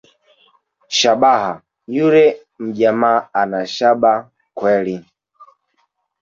Shabaha…Yule mjamaa ana shaba kweli